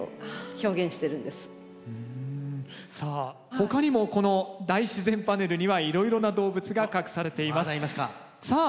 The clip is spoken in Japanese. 他にもこの大自然パネルにはいろいろな動物が隠されています。